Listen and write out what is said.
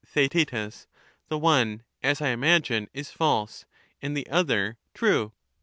Theaet. The one, as I imagine, is false, and the other true.